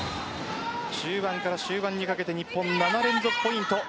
中盤から終盤にかけて日本、７連続ポイント。